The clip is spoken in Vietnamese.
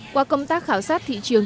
qua công tác khảo sát thị trường